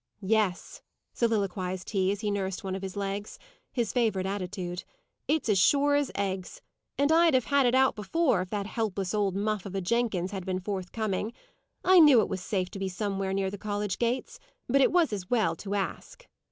"Yes," soliloquized he, as he nursed one of his legs his favourite attitude "it's as sure as eggs. And I'd have had it out before, if that helpless old muff of a Jenkins had been forthcoming. I knew it was safe to be somewhere near the college gates; but it was as well to ask."